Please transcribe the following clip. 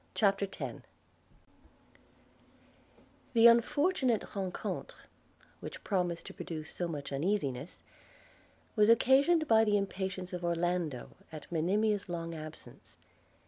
CHAPTER X THE unfortunate rencontre which promised to produce so much uneasiness, was occasioned by the impatience of Orlando at Monimia's long absence.